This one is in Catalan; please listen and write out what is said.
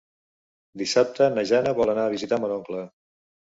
Dissabte na Jana vol anar a visitar mon oncle.